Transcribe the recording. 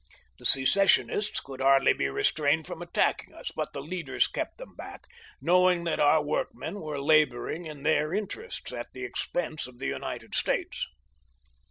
The secessionists could hardly be restrained from attacking us, but the leaders kept them back, knowing that our workmen were laboring in their interests, at the expense of the United States.